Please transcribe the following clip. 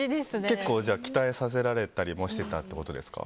結構、鍛えさせられたりしていたということですか。